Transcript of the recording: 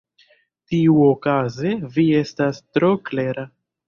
Tiuokaze, vi estas tro klera.